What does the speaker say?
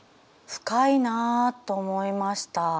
深いなあと思いました。